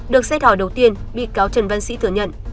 được xét hỏi đầu tiên bị cáo trần văn sĩ thừa nhận